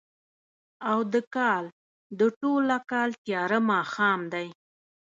او د کال، د ټوله کال تیاره ماښام دی